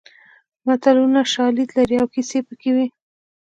متلونه شالید لري او کیسه پکې وي